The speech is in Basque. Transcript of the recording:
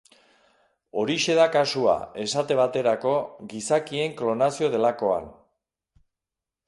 Horixe da kasua, esate baterako, gizakien klonazio delakoan.